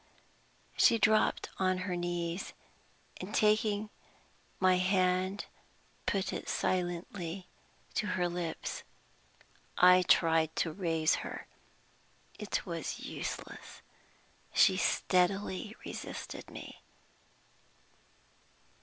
She dropped on her knees, and taking my hand put it silently to her lips. I tried to raise her. It was useless: she steadily resisted me.